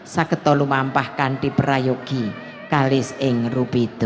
sagedolu mampahkan diberayuki kaliseng rubido